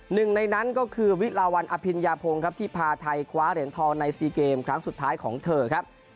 หนึ่งในนั้นก็คือวิลาวันอภิญญาพงศ์ครับที่พาไทยคว้าเหรียญทองใน๔เกมครั้งสุดท้ายของเธอครับ